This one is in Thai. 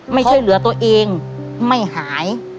ช่วยเหลือตัวเองไม่หาย